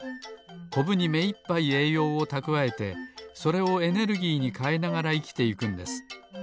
コブにめいっぱいえいようをたくわえてそれをエネルギーにかえながらいきていくんです。